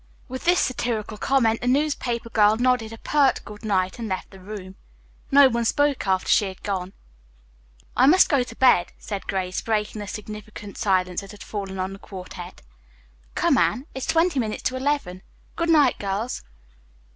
With this satirical comment the newspaper girl nodded a pert good night and left the room. No one spoke after she had gone. "I must go to bed," said Grace, breaking the significant silence that had fallen on the quartette. "Come, Anne, it's twenty minutes to eleven. Good night, girls."